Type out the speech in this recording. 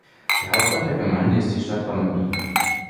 Der Hauptort der Gemeinde ist die Stadt Ronneby.